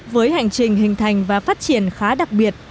với hành trình hình thành và phát triển khá đặc biệt